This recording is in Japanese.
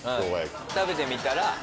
うん食べてみたら。